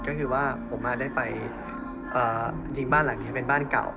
ก็คือว่าผมได้ไปจริงบ้านหลังนี้เป็นบ้านเก่า